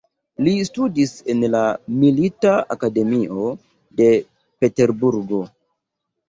Li studis en la milita akademio de Peterburgo.